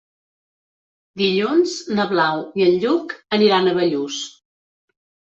Dilluns na Blau i en Lluc aniran a Bellús.